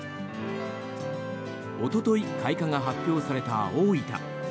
おととい開花が発表された大分。